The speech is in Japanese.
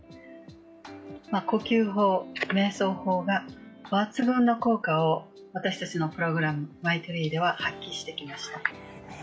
呼吸法、瞑想法が抜群の効果を私たちのプログラム、ＭＹＴＲＥＥでは発揮しました。